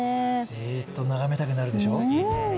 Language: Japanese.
じーっと眺めたくなるでしょう？